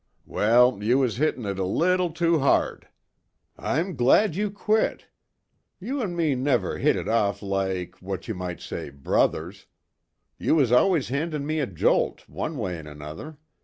"Well, you was hittin' it a little too hard. I'm glad you quit. You an' me never hit it off like, what you might say, brothers. You was always handin' me a jolt, one way an' another.